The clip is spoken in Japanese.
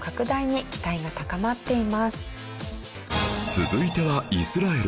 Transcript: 続いてはイスラエル